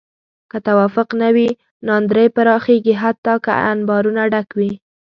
که توافق نه وي، ناندرۍ پراخېږي حتی که انبارونه ډک وي.